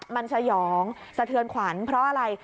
มันสยองสะเทือนขวัญเพราะอะไร